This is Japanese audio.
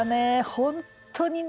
本当にね